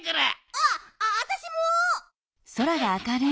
ああたしも！